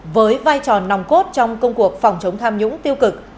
với vai trò nòng cốt trong công cuộc phòng chống tham nhũng tiêu cực